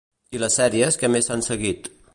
I les sèries que més s'han seguit?